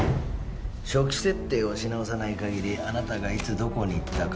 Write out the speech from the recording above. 初期設定をし直さないかぎりあなたがいつどこに行ったか